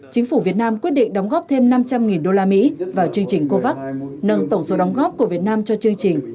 chính phủ việt nam quyết định đóng góp thêm năm trăm linh usd vào chương trình covax nâng tổng số đóng góp của việt nam cho chương trình